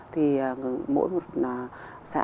thì mỗi một xã